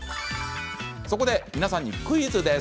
そこで皆さんにクイズです。